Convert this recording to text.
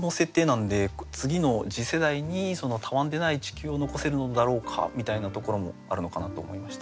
なんで次の次世代にたわんでない地球を残せるのだろうかみたいなところもあるのかなと思いました。